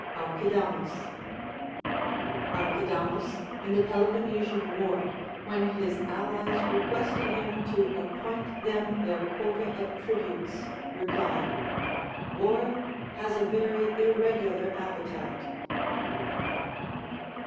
Archidamus. Archidamus, in the Peloponnesian war, when his allies requested him to appoint tliem their quota of tributes, replied. War has a wery irregukir appetite.